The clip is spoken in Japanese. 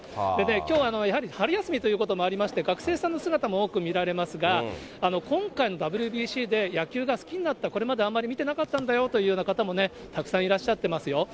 きょう、やはり春休みということもありまして、学生さんの姿も多く見られますが、今回のＷＢＣで野球が好きになった、これまであまり見てなかったんだよという方も、たくさんいらっしゃってますよね。